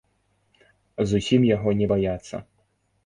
Зусім яго не баяцца.